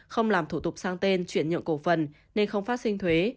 không làm thủ tục sang tên chuyển nhượng cổ phần nên không phát sinh thuế